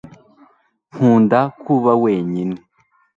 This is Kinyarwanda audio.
nkunda kuba wenyine